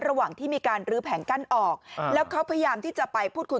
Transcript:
ระหว่างที่มีการลื้อแผงกั้นออกแล้วเขาพยายามที่จะไปพูดคุย